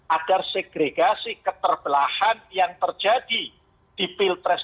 agar segregasi keterbelahan yang terjadi di pilpres dua ribu sembilan belas